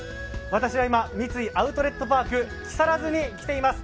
私は今三井アウトレットパーク木更津に来ています。